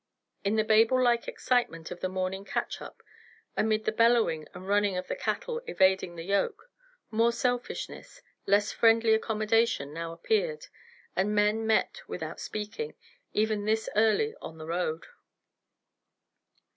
In the Babel like excitement of the morning catch up, amid the bellowing and running of the cattle evading the yoke, more selfishness, less friendly accommodation now appeared, and men met without speaking, even this early on the road.